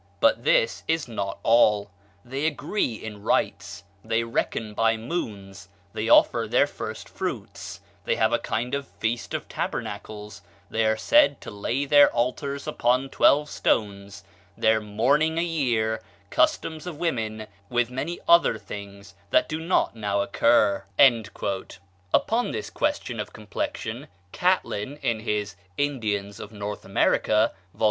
But this is not all: they agree in rites, they reckon by moons, they offer their first fruits, they have a kind of feast of tabernacles, they are said to lay their altars upon twelve stones, their mourning a year, customs of women, with many other things that do not now occur." Upon this question of complexion Catlin, in his "Indians of North America," vol.